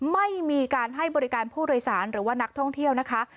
ไม่มีการให้บริการผู้โดยสารหรือว่านักท่องเที่ยวนะคะ